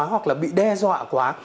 hoặc là bị đe dọa quá